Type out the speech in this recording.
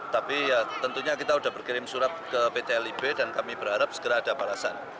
tapi ya tentunya kita sudah berkirim surat ke pt lib dan kami berharap segera ada balasan